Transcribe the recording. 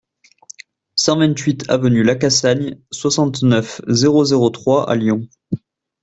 cent vingt-huit avenue Lacassagne, soixante-neuf, zéro zéro trois à Lyon